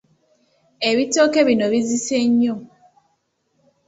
Ebitooke bino bizise nnyo.